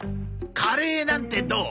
カレーなんてどう？